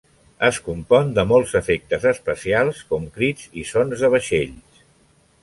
Es compon de molts efectes especials, com crits i sons de vaixells.